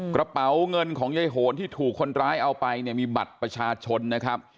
กระเป๋าเงินของยายโหนที่ถูกคนร้ายเอาไปเนี่ยมีบัตรประชาชนนะครับ